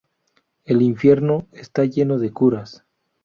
El infierno está lleno de curas